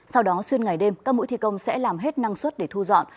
sau đó xuyên ngày đêm các mũi thi công sẽ làm hết năng suất để thu dọn